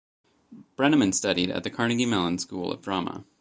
Brenneman studied at the Carnegie Mellon School of Drama.